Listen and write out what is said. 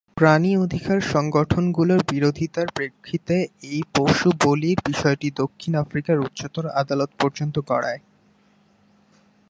প্রাণী অধিকার সংগঠনগুলোর বিরোধিতার প্রেক্ষিতে এই পশু বলির বিষয়টি দক্ষিণ আফ্রিকার উচ্চতর আদালত পর্যন্ত গড়ায়।